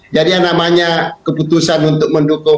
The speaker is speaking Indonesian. jadi yang namanya keputusan untuk mendukung